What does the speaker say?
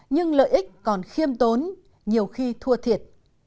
nhưng lợi ích còn khiêm tốn nhiều khi thua thiệt